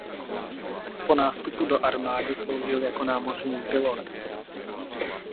Po nástupu do armády sloužil jako námořní pilot.